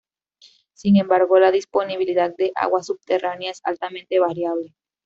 Sin embargo, la disponibilidad de agua subterránea es altamente variable.